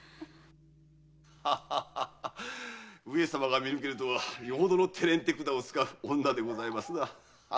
上様が見抜けぬとはよほどの手練手管を使う女でございますな。